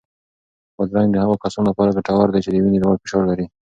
بادرنګ د هغو کسانو لپاره ګټور دی چې د وینې لوړ فشار لري.